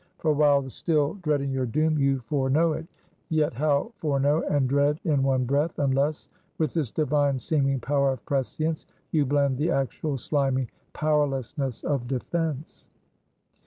For while still dreading your doom, you foreknow it. Yet how foreknow and dread in one breath, unless with this divine seeming power of prescience, you blend the actual slimy powerlessness of defense?